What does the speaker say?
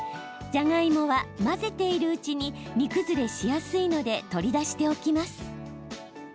じゃがいもは混ぜているうちに煮崩れしやすいので取り出しておきます。